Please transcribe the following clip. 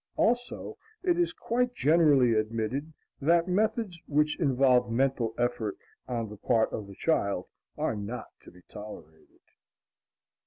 Also, it is quite generally admitted that methods which involve mental effort on the part of the child are not to be tolerated.